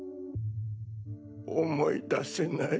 思い出せない。